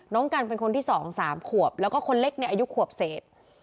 น้องกันเป็นคนที่๒๓ขวบแล้วก็คนเล็กเนี่ยอายุขวบเศษ